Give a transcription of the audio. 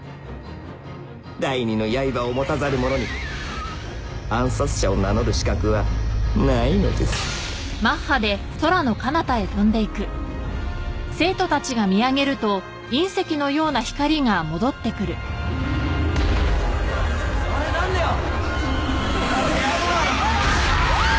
第二の刃を持たざる者に暗殺者を名乗る資格はないのですなんだよ？